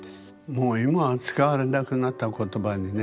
もう今は使われなくなった言葉にね。